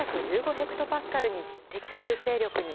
ヘクトパスカルに匹敵する勢力に。